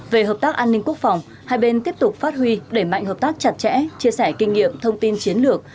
về hợp tác an ninh quốc phòng hai bên tiếp tục phát huy đẩy mạnh hợp tác chặt chẽ chia sẻ kinh nghiệm thông tin chiến lược